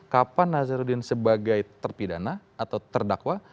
kapan nazarudin sebagai terpidana atau terdakwa